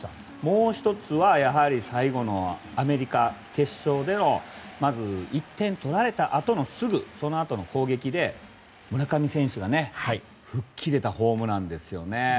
もう１つは最後のアメリカ決勝でのまず、１点取られたあとのすぐの攻撃で村上選手がね吹っ切れたホームランですよね。